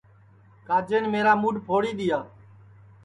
کاجین میرا موڈؔ پھوڑی دؔیا